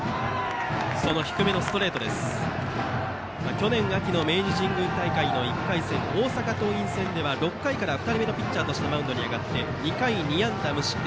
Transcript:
去年秋の明治神宮大会の１回戦大阪桐蔭戦では、６回から２人目のピッチャーとしてマウンドに上がって２回２安打無失点。